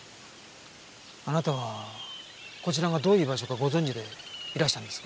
あなたはこちらがどういう場所かご存じでいらしたんですか？